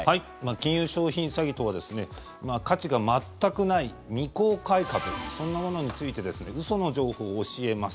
金融商品詐欺とは価値が全くない未公開株そんなものについて嘘の情報を教えます。